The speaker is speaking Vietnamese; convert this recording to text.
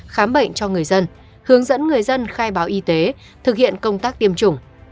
khám bệnh cho người dân hướng dẫn người dân khai báo y tế thực hiện công tác tiêm chủng